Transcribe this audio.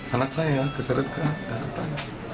anak saya keseret ke jakarta